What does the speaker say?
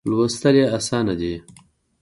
لوستل یې آسانه دي.